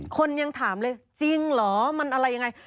คนยังถามเลยจริงเหรอมันอะไรยังไง